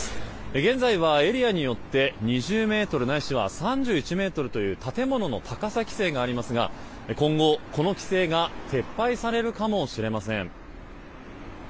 現在はエリアによって２０ｍ、ないしは３１ｍという建物の高さ規制がありますが今後、この規制が撤廃されるかもしれません。